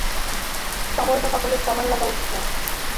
সময়টা সকলের সমান লাগা উচিত নয়।